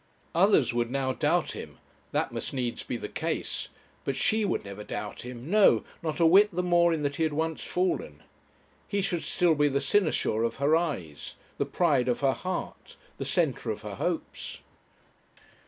Others would now doubt him, that must needs be the case; but she would never doubt him; no, not a whit the more in that he had once fallen. He should still be the cynosure of her eyes, the pride of her heart, the centre of her hopes.